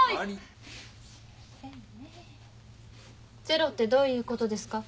ゼロってどういうことですか？